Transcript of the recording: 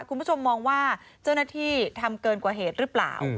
คุณผู้ชมมองว่าเจ้าหน้าที่ทำเกินกว่าเหตุหรือเปล่า